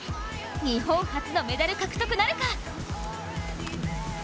日本初のメダル獲得なるか。